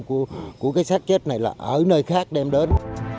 của cái sát chết này là ở nơi khác đem đến